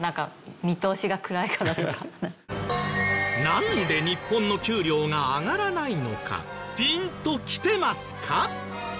なんで日本の給料が上がらないのかピンときてますか？